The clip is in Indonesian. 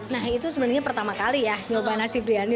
nah itu sebenarnya pertama kali ya nyoba nasi briyani